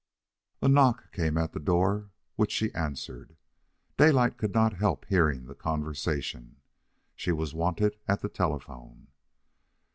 A knock came at the door, which she answered. Daylight could not help hearing the conversation. She was wanted at the telephone.